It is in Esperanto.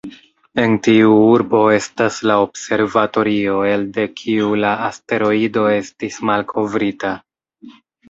En tiu urbo estas la observatorio elde kiu la asteroido estis malkovrita.